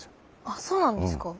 あっそうなんですか。